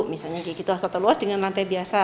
misalnya satu ruas dengan lantai biasa